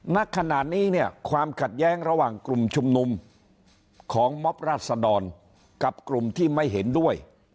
ณขณะนี้เนี่ยความขัดแย้งระหว่างกลุ่มชุมนุมของมอบราษดรกับกลุ่มที่ไม่เห็นด้วย